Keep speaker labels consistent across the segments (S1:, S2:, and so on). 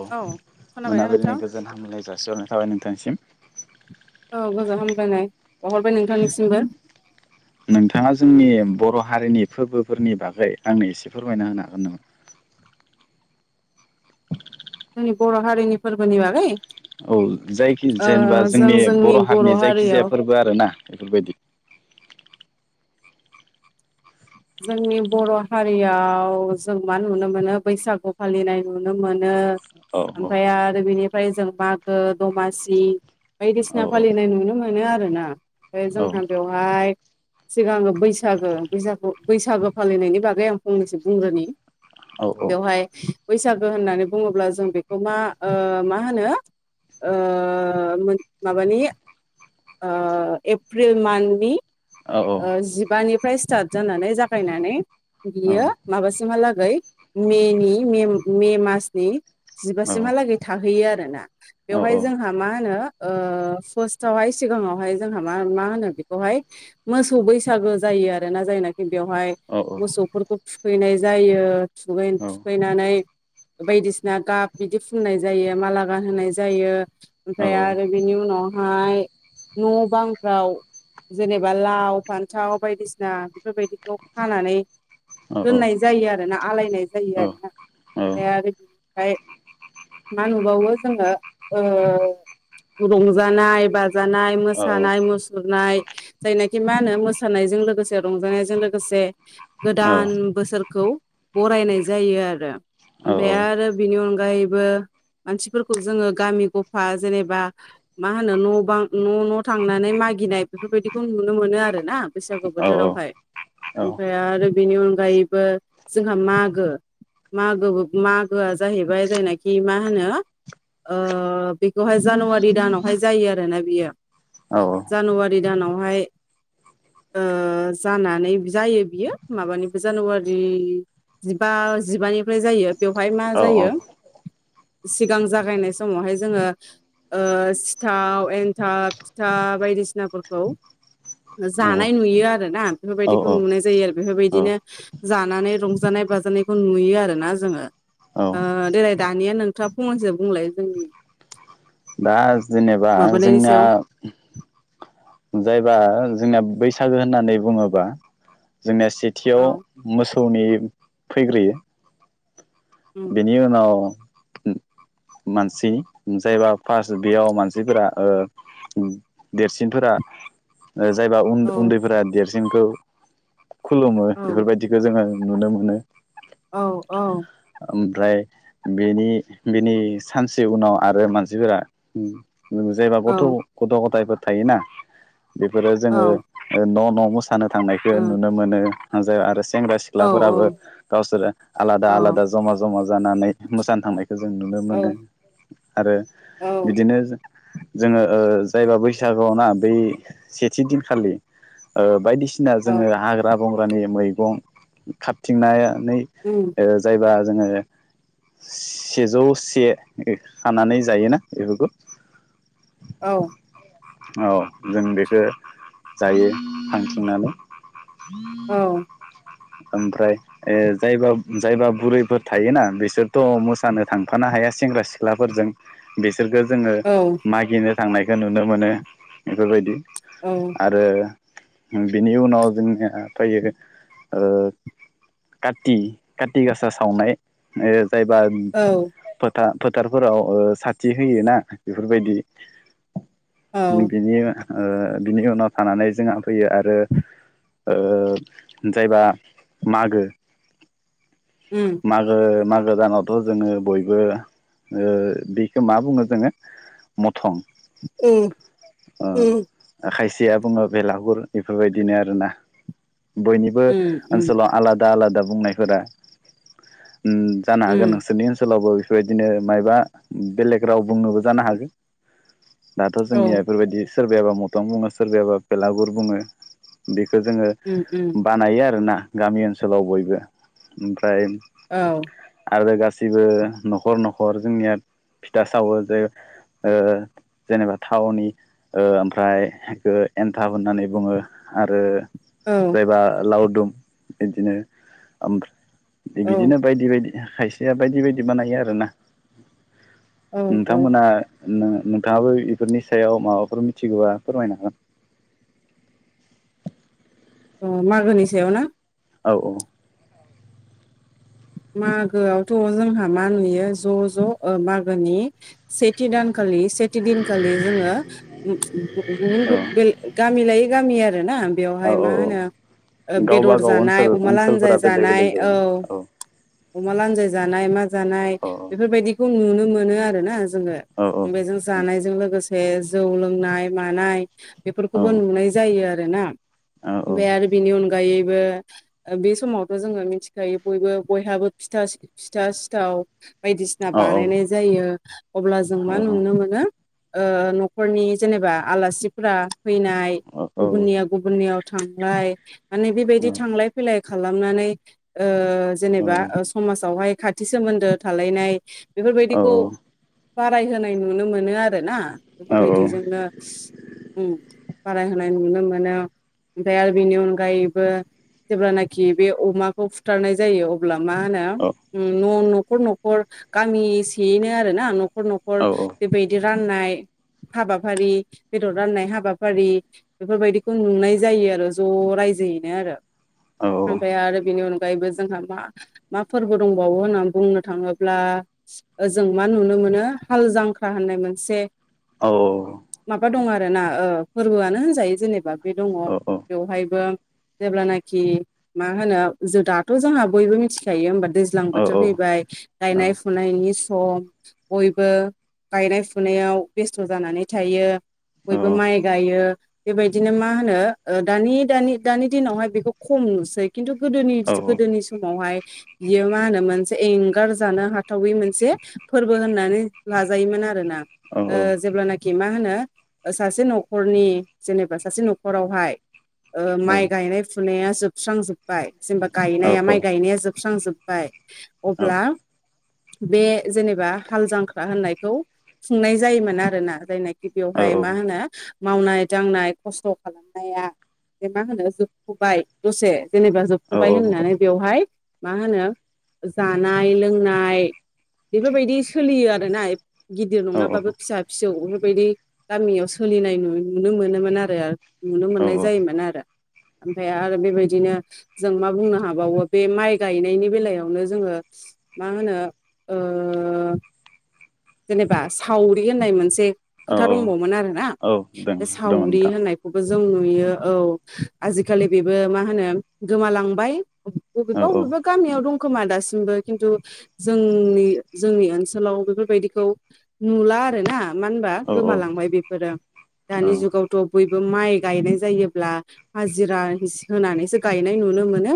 S1: औ
S2: खोनाबायना
S1: मोनाबिलिनि
S2: नोंथां
S1: गोजोन हामलाय जासिहरनाय थाबाय नोंथांसिम।
S2: औ गोजोन हामलायनाय बावहरबाय नोंथांनिसिमबो।
S1: नोंथाङा जोंनि बर' हारिनि फोरबोफोरनि बागै आंनो एसे फोरमायना होनो हागोन नामा?
S2: जोंनि बर' हारिनि फोरबोनि बागै?
S1: औ जायखि
S2: ओ
S1: जेनेबा
S2: जों
S1: जोंनि बर' हारिनि
S2: हारियाव
S1: जायखिजाया फोरबो आरो ना बेफोरबायदि
S2: जोंनि बर' हारियाव जों मा नुनो मोनो बैसागु फालिनाय नुनो मोनो।
S1: औ
S2: ओमफ्राय
S1: औ
S2: आरो बेनिफ्राय जों मागो दमासि बायदिसिना
S1: औ
S2: फालिनाय नुनो मोनो आरो ना, बे
S1: औ
S2: जोंहा बेव बाय सिगां बैसागो बैसागु बैसागो फालिनायनि बागै आं फंनैसो बुंग्रोनि,
S1: औ
S2: बेवहाय बैसागो होननानै बुङोब्ला जों बेखौ मा मा होनो? माबानि एप्रिल मान्थनि
S1: औ
S2: जिबानिफ्राय स्टार्ट जानानै जागायनानै
S1: औ
S2: बियो माबासिमहालागै मेनि मे मासनि
S1: औ
S2: जिबासिमहालागै थाहैयो आरोना
S1: औ
S2: बेवहाय
S1: औ
S2: जोंहा मा होनो? अ फार्टावहाय सिगाङावहाय जोंहा म मा होनो बेखौहाय मोसौ बैसागो जायो आरो ना जायनाखि बेवहाय
S1: औ
S2: मोसौफोरखौ थुखैनाय जायो। [unintelligible] फैनानै बायदिसिना गाब बिदि फुननाय जायो माला गानहोनाय जायो‌। ओमफ्राय आरो बेनि उनावहाय न' बांफ्राव जेनेबा एबा लाव फान्थाव बायदिसिना बेफोरबायदिखौ खानानै दोननाय जायो आरोना आलायनाय जायो आरोना ओमफ्राय आरो बिनिफ्राय मा नुबावो जोङो? रंजानाय बा जानाय मोसानाय मुसुरनाय जायनाखि मा होनो मोसानायजों लोगोसे रंजानायजों लोगोसे गोदान बोसोरखौ बरायनाय जायो आरो। ओमफफ्राय आरो बिनि अनगायैबो मानसिफोरखौ जोङो गामि गफा जेनेबा मा होनो? न' बां न' न' थांनानै मागिनाय बेफोरबायदि खौ नुनो मोनो आरो ना बैसागु बोथोरावहाय। ओमफ्राय आरो बेनि अनगायैबो जोंहा मागो मागो मागोआ जाहैबाय जायनाखि मा होनो? बेखौहाय जानुवारि दानावहाय जायो आरोना बियो। जानुवारि दानावहाय जानानै जायो बियो माबानिबो जानुवारि जिबा जिबानिफ्राय जायो, बेवहाय मा जायो? सिगां जागायनाय समावहाय जोङो सिथाव एन्थाब फिथा बायदिसिनाफोरखौ
S1: औ
S2: जानाय नुयो आरो ना बेफोरबायदिखौ नुनाय जायो आरो बेफोरबायदिनो जानानै रंजानाय बाजानायखौ नुयो आरो ना जोङो ओ देलाय दानिया नोंथाङा फंनैसो बुंलाय जोंनि
S1: दा जेनेबा
S2: माबानायनि
S1: जोंना
S2: सायाव
S1: जायबा जोंना बैसागो होननानै बुङोबा जोंनिया से थियाव
S2: औ
S1: मोसौनि फैग्रोयो
S2: उम
S1: बेनि उनाव मानसि जायबा फार्स्ट बेयाव मानसिफोरा ओ देरसिनफोरा जायबा
S2: औ
S1: उन्दैफोरा देरसिनखौ खुलुमो
S2: औ
S1: बेफोरबायदि बेखौ जोङो नुनो मोनो
S2: औ औ
S1: ओमफ्राय बेनि बेनि सानसे उनाव आरो मानसिफोरा जायबा गथ'
S2: औ
S1: गथ' गथायफोर थायोना बेफोरो जोङो
S2: औ
S1: ओ न' न' मोसा सानो थांनायखो
S2: ओ
S1: नुनो मोनो आरो सेंग्रा
S2: औ
S1: सिख्लाफोराबो गावसोरो
S2: औ
S1: आलादा आलादा जमा जमा जानानै मोसानो थांनायखो जों नुनो मोनो
S2: औ
S1: आरो
S2: औ
S1: बिदि बेनो जोङो ओ जायबा बैसागुआव ना बै सेथि दिनखालि ओ बायदिसिना जोङो
S2: औ
S1: हाग्रा बंग्रानि मैगं खाबथिंनानै
S2: उम
S1: ओ जायबा जोङो सेजौ से खानानै जायोना बेफोरखौ
S2: औ
S1: औ जों बेखो जायो थांथिंनानै
S2: औ
S1: ओमफ्राय ए जायबा जायबा बुरैफोर थायोना बिसोरथ' मोसानो थांफानो हाया सेंग्रा सिख्लाफोरजों बिसोरखो जोङो मागिनो थांनायखौ नुनो मोनो बेफोरबायदि
S2: औ
S1: आरो बिनि उनाव जोंनिया फैयो ओ कति कतिगासा सावनाय ओ जायबा
S2: औ
S1: बा फोथारफोराव साथि होयो ना बेफोरबायदि
S2: औ
S1: बिनि ओ बिनि उनाव थानानै जोंहा फैयो आरो ओ जायबा मागो
S2: उम
S1: मागो मागो दानावथ' जोङो बयबो ओ बिखौ मा बुङो जोङो मथं
S2: उम
S1: ओ
S2: उम
S1: खायसेया बुङो बेलागुर बेफोरबायदिनो आरोना बयनिबो
S2: उम उम
S1: ओनसोलाव आलादा आलादा बुंनायफोरा उम जानो हागो
S2: उम
S1: नोंसोरनि ओनसोलावबो बेफोरबायदिनो मायबा बेलेग राव बुंनोबो जानो हागो दाथ' जोंनिया
S2: औ
S1: बेफोरबायदि सोरबायाबा मथं बुङो सोरबायायाबा भेलागुर बुङो बेखो जोङो
S2: उम उम
S1: बानायो आरोना गामि ओनसोलाव बयबो टाइम
S2: औ
S1: आरो गासैबो न'खर न'खर जोंनिया फिथा सावो जे ओ जेनेबा थावनि ओ ओमफ्राय ओ एन्थाब होननानै बुङो आरो
S2: औ
S1: एबा लावदुम बिदिनो ओमफ्राय बिदिनो बायदि बायदि खायसेया बायदि बायदि बानायो आरोना
S2: औ औ
S1: नोंथांमोना नोंथाङाबो बेफोरनि सायाव माबाफोर मिथिगौबा फोरमायनो हर
S2: अ मागोनि सायाव ना?
S1: औ औ।
S2: मागोआवथ' जोंहा मा नुयो ज' ज' ओ मागोनि सेथि दानखालि सेथि दिनखालि जोङो गुबुन गामि लायै गामि आर ना
S1: औ
S2: बेवहाय
S1: औ
S2: मा
S1: औ
S2: होनो
S1: गावबा
S2: बेदर
S1: गाव
S2: जानाय
S1: ओनसोल
S2: अमा
S1: ओनसोलफोरा
S2: लानजाय
S1: बेलेग
S2: जानाय
S1: बेलेग
S2: औ
S1: जायोना
S2: अमा लान्जाय जानाय मा जानाय
S1: औ
S2: बेफोरबायदिखौ नुनो मोनो आरो ना जोङो
S1: औ
S2: बेजों जानायजों लोगोसे जौ लोंनाय मानाय
S1: औ
S2: बेफोरखौबो नुनाय जायो आरोना
S1: औ
S2: ओमफ्राय आरो बेनि अनगायैबो ओ बे समावथ' जोङो मिथिखायो बयबो बयहाबो फिथा फिथा सिथाव बायदिसिना
S1: औ
S2: बानायनाय जायो। अब्ला जों मा नुनो मोनो ओ न'खरनि जेनेबा आलासिफोरा फैनाय गुबुननियाव गुबुननियाव थांलाय माने बेबायदि थांलाय फैलाय खालामनानै ओ जेनेबा ओ समाजावहाय खाथि सोमोन्दो थालायनाय बेफोरबायदिखौ बारायहोनाय नुनो मोनो आरो ना बेफोरबायदिजोंनो उम बारायहोनाय नुनो मोनो। ओमफ्राय आरो बेनि अनगायैबो जेब्लानाखि बे अमाखौ फु बुथारनाय जायो अब्ला मा
S1: औ
S2: होनो' ओम न न'खर नं खर गामिसेयैनो आरो ना न'खर न'खर
S1: औ औ
S2: बेबायदि राननाय हाबाफारि बेदर राननाय हाबाफारि बेफोरबायदिखौ नुनाय जायो आरो ज' रायजोयैनो आरो
S1: औ
S2: ओमफ्राय आरो बेनि उनाव अगायबो जोंहा मा मा फोरबो दंबावो होननानै बुंनो थाङोब्ला ओ जों मा नुनो मोनो हाल जांख्रा होननाय मोनसे
S1: औ।
S2: माबा दं आरोना ओ फोरबोआनो होनजायो जेनेबा बे दङ बेवहायबो जेब्लानाखि मा होनो दाथ' जोंहा बयबो मिथिखायो होमबा दै ज्लां बोथोर फैबाय गायनाय फुनायनि सम। बयबो गायनाय फुनायाव बेस्थ' जानानै थायो। बयबो माइ गायो। बेबायदिनो मा होनो ओ दानि दानि दिनावहाय बेखौ खम नुसै खिन्थु गोदोनि गोदोनि समावहाय बियो मा होनो मोनसे एंगार जानो हाथावै मोनसे फोरबो होननानै लाजायोमोन आरो ना ओ
S1: औ
S2: जेब्लानाखि खि मा होनो सासे न'खरनि जेनेबा सासे न'खरावहाय ओ माइ गायनाय फुनाया जोबस्रांजोब्बाय जेनेबा गायनाया माइ गायनाया जोबस्रांजोब्बाय अब्ला बे जेनेबा हाल जांख्रा होननायखौ खुंनाय जायोमोन आरो ना जायनाखि बेयावहाय मा होनो मावनाय दांनाय खस्थ' खालामनाया बे मा होनो जोबथ'बाय दसे। जेनेबा जोबथबाय होननानै बेवहाय मा होनो जानाय लोंनाय बेफोरबायदि सोलियो आरोना गिदिर नङाबाबो फिसा फिसौ बेफोरबायदि गामियाव सोलिनाय नुनो मोनोमोन आरो। नुनो मोननाय जायोमोन आरो ओमफ्राय आरो बेबायदिनो जों मा बुंनो हाबावो बे माइ गायनायनि बेलायावनो जोङो मा होनो ओ जेनेबा सावरि होननाय मोनसे
S1: औ
S2: खोथा दंबावोमोन आरो ना
S1: दं
S2: बे
S1: दङ
S2: सावरि
S1: नोंथां
S2: होननाय खौबो जों नुयो औ आजिखालि बेबो मा होनो गोमालांबाय।
S1: औ
S2: बबेबा
S1: औ
S2: बबेबा गामियाव दं खोमा दासिमबो खिन्थु जोंनि जोंनि ओनसोलाव बेफोरबायदि खौ नुला आरो ना मानो होनबा
S1: औ औ
S2: गोमालांबाय बेफोरो। दानि जुगावथ' बयबो माइ गायनाय जायोब्ला हाजिरा हिस होनानैसो गायनाय नुनो मोनो।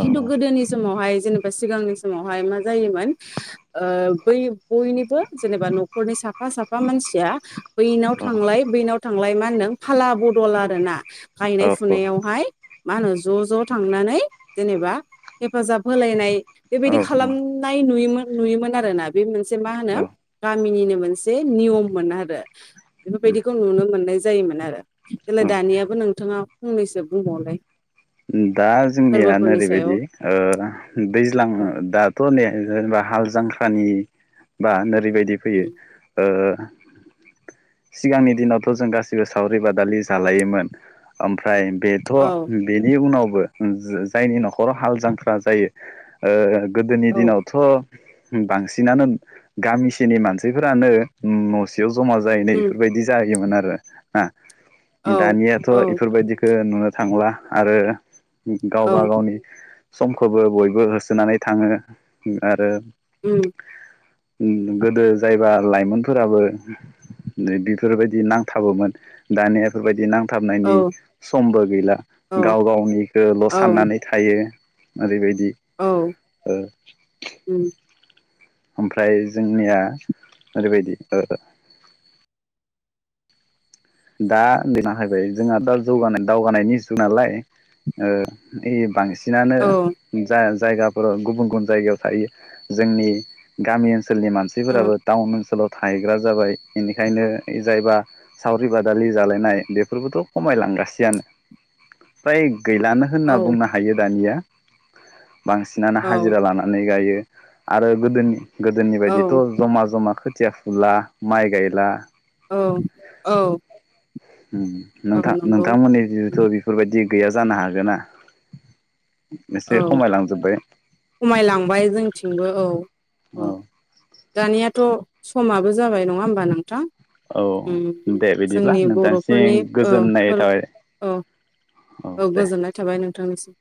S2: खिन्थु गोदोनि समावहाय जेनेब ओ सिगांनि समावहाय मा जायोमोन ओ बै बयनि जेनेबा न'खरनि साफा साफा मानसिया बैनाव थांलाय बेनाव थांलाय मा होनदों फाला बदल आरो ना गायनाय फुनायावहाय मा होनो ज' ज' थांनानै जेनेबा हेफाजाब होलायनाय
S1: औ
S2: बेबायदि खालाम नाय नुयोमोन नुयोमोन आरोना बे मोनसे मा होनो
S1: औ
S2: गामिनिनो मोनसे निय'ममोन आरो बेफोरबायदिखौ नुनो मोननाय जायोमोन आरो। एलाय दानियाबो नोंथाङा फंनैसो बुंबावलाय?
S1: दा जोंनिया
S2: फोरबोफोरनि
S1: नोरै
S2: सायाव
S1: बायदि ओ दैज्लां
S2: औ
S1: दाथ' नै जेनेबा हाल जांख्रानि बा नोरैबायदि फैयो।
S2: उम
S1: ओ सिगांनि दिनावथ' जों गासिबो सावरि बादालि जालायोमोन। ओमफ्राय बे थ'
S2: औ
S1: बेनि उनावबो ओ जायनि न'खराव हाल जांख्रा जायो। ओ गोदोनि
S2: औ
S1: दिनाव थ' बांसिनानो गामिसेनि मानसिफोरानो न'सेयाव ज'मा जाहैनाय
S2: उम
S1: बेफोरबायदि जायोमोन आरो ना।
S2: औ औ
S1: दानियाथ' इफोरबायदिखो नुनो थांला। आरो
S2: औ
S1: गावबा गावनि समखौबो बयबो होसोनानै थाङो। आरो
S2: उम
S1: ओ गोदो जायबा लाइमोनफोराबो दि बेफोरबायदि नांथाबोमोन। दानिया इफोरबायदि नांथाबनायनि
S2: औ
S1: समबो गैला।
S2: औ
S1: गाव गावनिखौल'
S2: औ
S1: साननानै थायो। ओरै बायदि
S2: औ
S1: ओ
S2: उम
S1: ओमफ्राय जोंनिया ओरैबायदि ओ दा लिरना फैबाय जोंहा दा जौगानाय दावगानायनि जुग नालाय ओ इ बांसिनानो
S2: औ
S1: जा-जायगाफोराव गुबुन गुबुन जायगायाव थायो। जोंनि गामि ओनसोलनि मानस
S2: ओ औ
S1: सिफोराबो दाउन ओनसोलाव थाहैग्रा जाबाय। इनिखायनो जायबा सावरि बादालि जालायनाय बेफोरबोथ' खमायलांगासिआनो फ्राय गैलानो। होनना बुंनो हायो दानिया बांसिनानो
S2: औ
S1: हाजिरा लाना हानै गायो। आरो गोदोनि गोदोनि
S2: औ
S1: बायदिथ' ज'मा ज'मा खोथिया फुला माइ गायला।
S2: ओं औ
S1: उम
S2: औ
S1: नोंथां
S2: नंगौ
S1: नोंथांमोननि जिथ'
S2: उम
S1: बेफोरबायदि गैया जानो हागोन ना?
S2: औ
S1: एसे खमायलांजोबबाय
S2: खमायलांबाय जोंथिंबो औ औ दानियाथ' समाबो जाबाय नङा होमबा नोंथां।
S1: औ
S2: उम
S1: दे बिदिब्ला
S2: जोंनि
S1: नोंथांसिम
S2: बर'फोरनि ओ
S1: गोजोननाय
S2: फोर
S1: थाबाय
S2: ओ औ गोजोननाय थाबाय नोंथांनिसिम।